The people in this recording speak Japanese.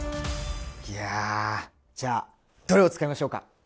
いやじゃあどれを使いましょうか？